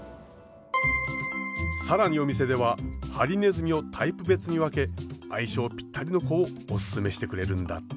更にお店ではハリネズミをタイプ別に分け相性ぴったりの子をおススメしてくれるんだって。